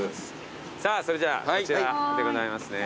さぁそれじゃあこちらでございますね。